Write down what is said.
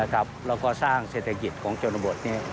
แล้วก็สร้างเศรษฐกิจของชนบท